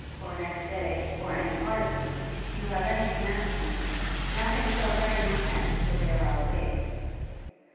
or next day or any part of the week, you have any commands for me, nothing shall hurry me hence till they are obeyed.'